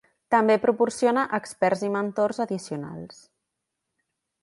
També proporciona experts i mentors addicionals.